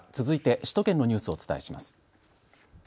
続いて首都圏のニュースをお伝えします。